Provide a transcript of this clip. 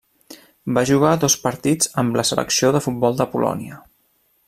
Va jugar dos partits amb la selecció de futbol de Polònia.